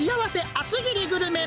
厚切りグルメ。